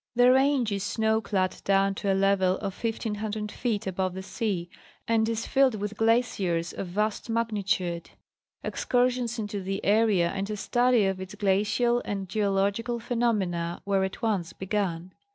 The range is snow clad down toa level of 1500 feet above the sea, and is filled with glaciers of vast magnitude. Excursions into this area and a study of its glacial and geological phenomena were at once begun.